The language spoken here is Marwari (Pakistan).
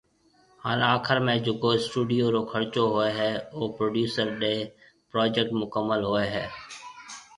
ھان آخر ۾ جڪو اسٽوڊيو رو خرچو ھوئي ھيَََ او پروڊيوسر ڏي پروجيڪٽ مڪمل ھوئي ھيَََ